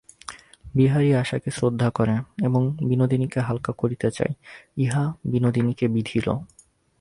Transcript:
বিহারী আশাকে শ্রদ্ধা করে এবং বিনোদিনীকে হালকা করিতে চায়, ইহা বিনোদিনীকে বিঁধিল।